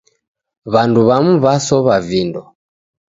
W'andu w'amu w'asow'a vindo.